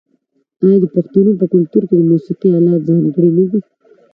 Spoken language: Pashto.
آیا د پښتنو په کلتور کې د موسیقۍ الات ځانګړي نه دي؟